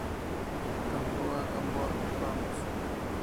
Gamboa, Gamboa, vamos.